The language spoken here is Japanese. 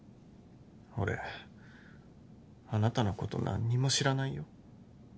俺あなたのこと何にも知らないよ。